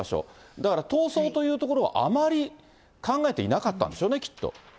だから、逃走というところはあまり考えていなかったんでしょうね、きっと。